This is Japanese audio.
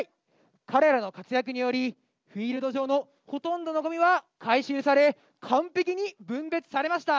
彼らの活躍によりフィールド上のほとんどのゴミは回収され完璧に分別されました。